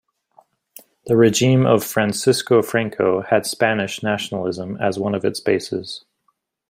The regime of Francisco Franco had Spanish nationalism as one of its bases.